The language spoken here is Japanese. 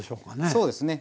そうですね。